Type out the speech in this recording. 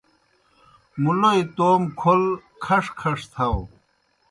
مُلوئے توموْ کھول کھݜ کھݜ تھاؤ۔